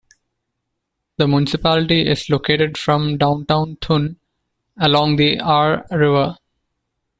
The municipality is located from downtown Thun along the Aare river.